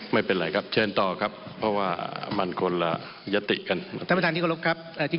ไม่เป็นไรครับเชิญต่อครับเพราะว่ามันคนละยะติกัน